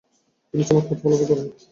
তিনি চমকপ্রদ ফলাফল করেন।